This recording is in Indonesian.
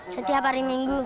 setiap hari minggu